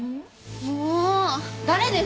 もう誰ですか？